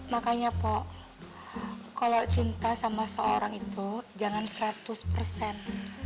makanya pok kalau cinta sama seorang itu jangan seratus persen